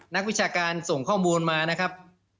นักวิชาการส่งข้อมูลมานะครับ